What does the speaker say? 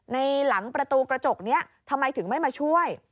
หลังประตูกระจกนี้ทำไมถึงไม่มาช่วย